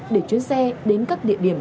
để chuyến xe đến các địa điểm